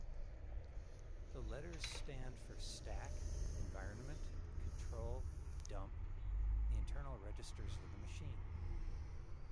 The letters stand for Stack, Environment, Control, Dump, the internal registers of the machine.